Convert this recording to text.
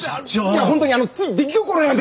いや本当にあのつい出来心なんです！